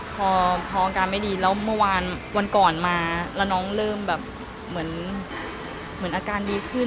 พออาการไม่ดีแล้วเมื่อวานวันก่อนมาแล้วน้องเริ่มแบบเหมือนอาการดีขึ้น